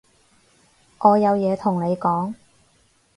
我有嘢同你講